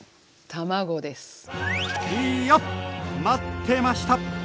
待ってました。